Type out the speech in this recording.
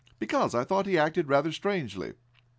"Because I thought he acted rather strangely."